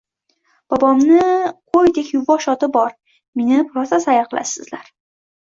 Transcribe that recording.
Bobomning qoʼydek yuvosh oti bor, minib rosa sayr qilasizlar.